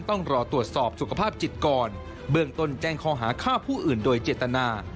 ต้องรอตรวจสอบสุขภาพจิตก่อนเบื้องต้นแจ้งคอหาฆ่าผู้อื่นโดยเจตนา